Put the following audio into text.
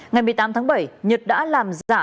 ngày một mươi tám tháng bảy nhật đã làm giả